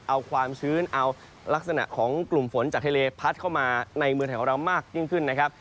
เอาความชื้นเอาลักษณะของกลุ่มฝนจากทะเลพัดเข้ามาในเมืองไทยของเรามากยิ่งขึ้นนะครับ